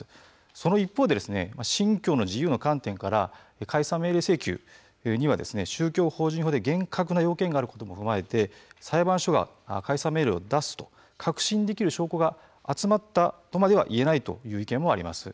その一方で信教の自由の観点から解散命令請求には宗教法人には厳格な要件があると思われていて裁判所が解散命令を出すと確信できる証拠が集まったとまではいえないという意見もあります。